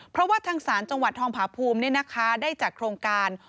เพราะว่าทางสารจังหวัดทองพพได้จากโครงการ